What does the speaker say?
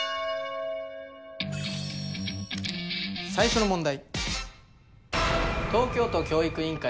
最初の問題。